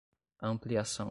ampliação